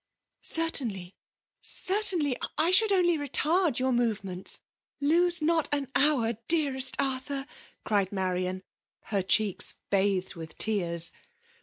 *'*' Certainly — certainly — I should only retaid your movements; lose not an liour, dearest Arthur r* cried Marian, her cheeks bathed with tears.